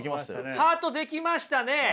ハート出来ましたね。